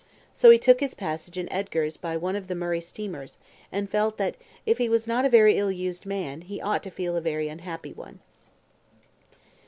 So he took his passage and Edgar's by one of the Murray steamers, and felt that if he was not a very ill used man, he ought to feel a very unhappy one.